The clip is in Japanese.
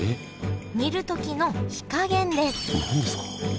煮る時の火加減です。